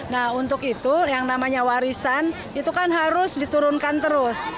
nah untuk itu yang namanya warisan itu kan harus diturunkan terus